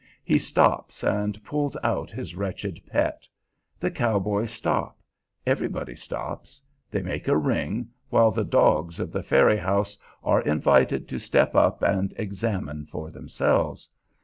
He stops, and pulls out his wretched pet. The cow boys stop; everybody stops; they make a ring, while the dogs of the ferry house are invited to step up and examine for themselves.